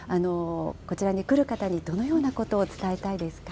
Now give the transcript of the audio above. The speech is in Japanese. こちらに来る方にどのようなことを伝えたいですか。